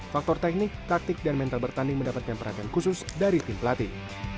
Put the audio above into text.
faktor teknik taktik dan mental bertanding mendapatkan perhatian khusus dari tim pelatih